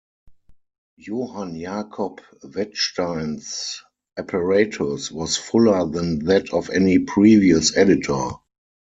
Johann Jakob Wettstein's apparatus was fuller than that of any previous editor.